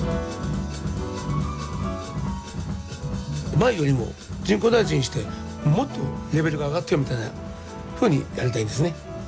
前よりも人工内耳にしてもっとレベルが上がってるみたいなふうにやりたいですね。